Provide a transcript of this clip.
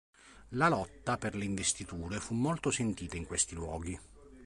La lotta per le investiture fu molto sentita in questi luoghi.